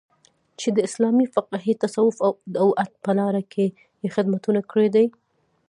چې د اسلامي فقې، تصوف او دعوت په لاره کې یې خدمتونه کړي دي